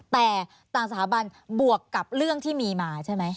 แต่ต่างสถาบันบวกกับเรื่องที่มีมาใช่ไหม